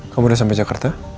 kamu udah sampe jakarta